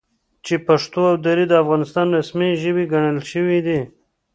چې پښتو او دري د افغانستان رسمي ژبې ګڼل شوي دي،